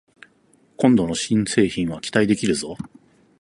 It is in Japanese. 今度の新製品は期待できるぞ